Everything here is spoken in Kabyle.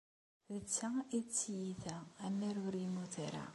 D ta i d tiyita amer ur yemmut ara.